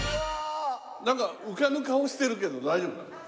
なんか浮かぬ顔してるけど大丈夫？